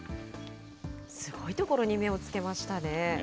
すごいところに目をつけましたね。